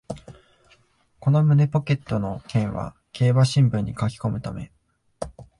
この胸ポケットのペンは競馬新聞に書きこむため